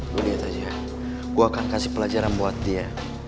lu lihat aja gue akan kasih pelajaran buat dia